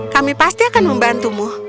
kami pasti akan membantumu